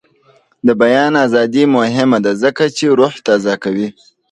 د بیان ازادي مهمه ده ځکه چې روح تازه کوي.